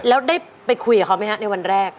แล้วได้ไปคุยกับเขาไหมฮะในวันแรก